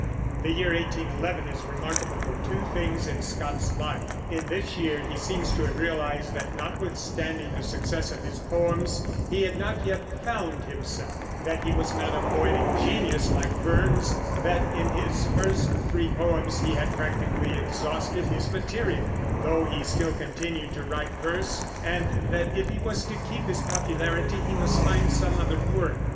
The year 1811 is remarkable for two things in Scott's life. In this year he seems to have realized that, notwithstanding the success of his poems, he had not yet "found himself"; that he was not a poetic genius, like Burns; that in his first three poems he had practically exhausted his material, though he still continued to write verse; and that, if he was to keep his popularity, he must find some other work.